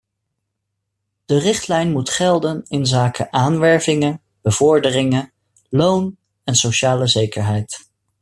De richtlijn moet gelden inzake aanwervingen, bevorderingen, loon en sociale zekerheid.